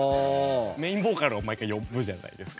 メインボーカルを毎回呼ぶじゃないですか。